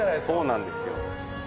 そうなんですよ。